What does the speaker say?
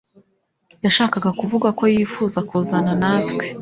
Yashakaga kuvuga ko yifuza kuzana natwe.